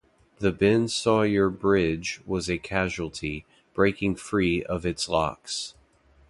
The Ben Sawyer Bridge was a casualty, breaking free of its locks.